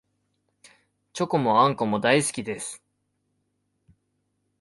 チョコもあんこも大好きです